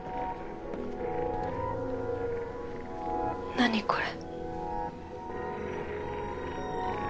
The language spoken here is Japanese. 何これ。